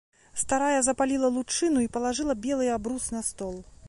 Старая запаліла лучыну і палажыла белы абрус на стол.